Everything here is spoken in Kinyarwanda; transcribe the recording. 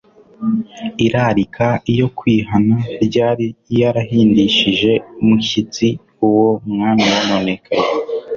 Irarika iyo kwihana ryari iyarahindishije umwshyitsi uwo mwami wononekaye.